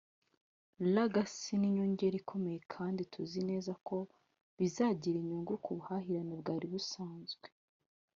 Lagos ni inyongera ikomeye kandi tuzi neza ko bizagira inyungu ku buhahirane bwari busanzwe”